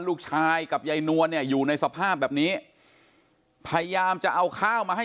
ลูกชายกับยายนวลเนี่ยอยู่ในสภาพแบบนี้พยายามจะเอาข้าวมาให้